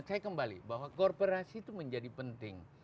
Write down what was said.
saya kembali bahwa korporasi itu menjadi penting